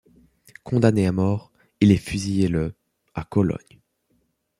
Condamné à mort, il est fusillé le à Cologne.